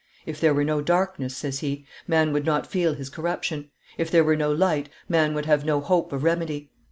"If there were no darkness," says he, "man would not feel his corruption; if there were no light, man would have no hope of remedy.